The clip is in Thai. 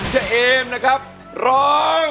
เอมนะครับร้อง